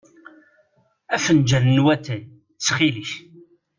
Afenǧal n watay, ttxil-k.